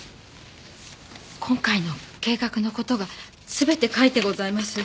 今回の計画の事が全て書いてございます。